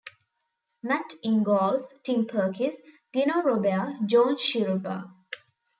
Matt Ingalls, Tim Perkis, Gino Robair, John Shiurba.